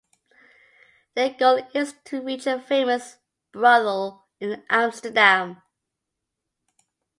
Their goal is to reach a famous brothel in Amsterdam.